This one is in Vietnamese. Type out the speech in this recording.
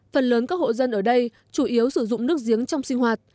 phần lớn các hộ dân ở đây chủ yếu sử dụng nước giếng trong sinh hoạt